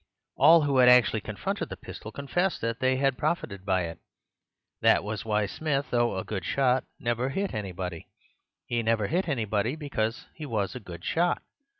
All who had actually confronted the pistol confessed that they had profited by it. That was why Smith, though a good shot, never hit anybody. He never hit anybody because he was a good shot.